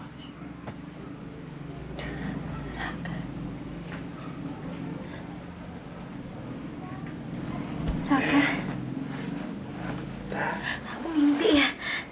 hai aku mimpi ya